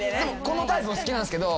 このタイプも好きなんすけど